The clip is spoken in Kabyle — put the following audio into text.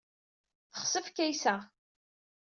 Texsef Kaysa.